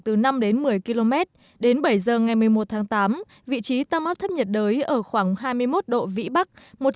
chủ yếu theo hướng bắc mỗi giờ đi được từ năm đến một mươi km đến bảy giờ ngày một mươi một tháng tám vị trí tầm áp thấp nhiệt đới ở khoảng hai mươi một độ vĩ bắc